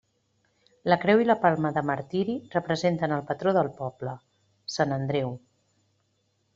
La creu i la palma de martiri representen el patró del poble, Sant Andreu.